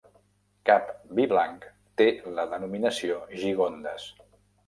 Cap vi blanc té la denominació Gigondas.